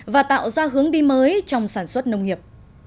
và tạo ra hướng đi mới trong sản xuất nông nghiệp